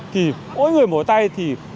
thì mỗi người mỗi tay thì